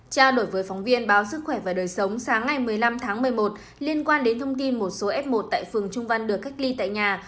trao đổi với phóng viên báo sức khỏe và đời sống sáng ngày một mươi năm tháng một mươi một liên quan đến thông tin một số f một tại phường trung văn được cách ly tại nhà